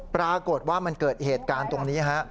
ปรากฏว่ามันเกิดเหตุการณ์ตรงนี้ฮะ